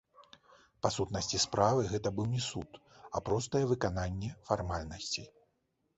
Па сутнасці справы, гэта быў не суд, а простае выкананне фармальнасцей.